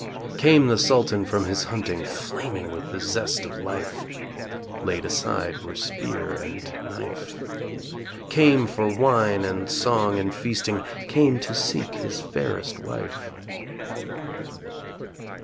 Came the Sultan from his hunting Flaming with the zest of life; (Laid aside were spear and knife) Came for wine and song and feasting, Came to seek his fairest wife.